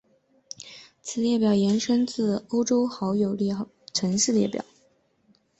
此列表延伸自欧洲友好城市列表。